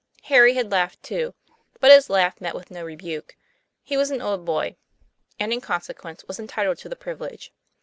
Harry had laughed too; but his laugh met with no rebuke ; he was an old boy, and in consequence was entitled to the privilege.